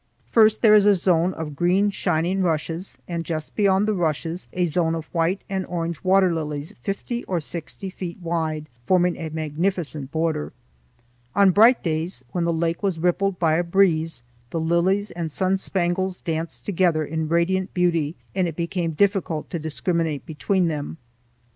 First there is a zone of green, shining rushes, and just beyond the rushes a zone of white and orange water lilies fifty or sixty feet wide forming a magnificent border. On bright days, when the lake was rippled by a breeze, the lilies and sun spangles danced together in radiant beauty, and it became difficult to discriminate between them.